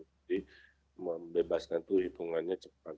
jadi membebaskan itu hitungannya cepat